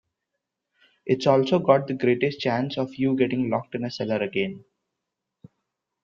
It's also got the greatest chance of you getting locked in a cellar again.